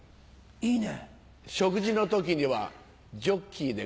いいね。